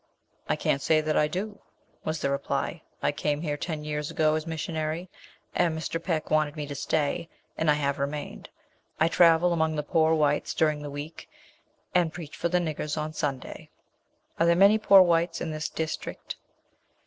"I can't say that I do," was the reply; "I came here ten years ago as missionary, and Mr. Peck wanted me to stay, and I have remained. I travel among the poor whites during the week and preach for the niggers on Sunday." "Are there many poor whites in this district?"